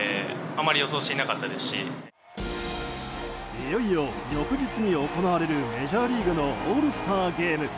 いよいよ翌日に行われるメジャーリーグのオールスターゲーム。